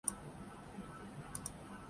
Atlantic daylight time